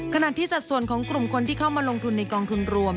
ขณะที่สัดส่วนของกลุ่มคนที่เข้ามาลงทุนในกองทุนรวม